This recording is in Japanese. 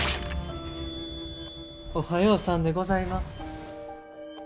おはようさんでございます。